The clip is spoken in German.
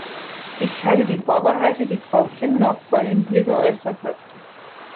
Ich teile die Vorbehalte, die Frau Kinnock vorhin hier geäußert hat.